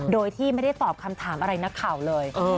โดยที่ไม่ได้ตอบคำถามอะไรนักข่าวเลย